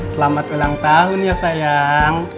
selamat ulang tahun ya sayang